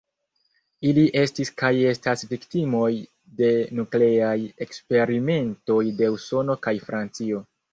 Ili estis kaj estas viktimoj de nukleaj eksperimentoj de Usono kaj Francio.